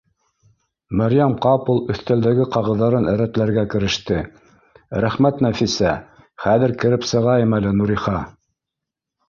Мәрйәм ҡапыл өҫтәлдәге ҡағыҙҙарын рәтләргә кереште: — Рәхмәт, Нәфисә, хәҙер кереп сығайым әле Нуриха